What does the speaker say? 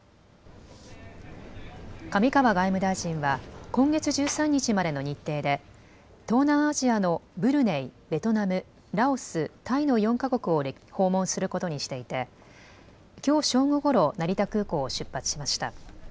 上川外務大臣は今月１３日までの日程で東南アジアのブルネイ、ベトナム、ラオス、タイの４か国を訪問することにしていてきょう正午ごろ成田空港を出発しました。